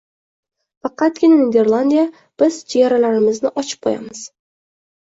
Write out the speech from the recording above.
Faqatgina Niderlandiya «biz chegaralarimizni ochib qo‘yamiz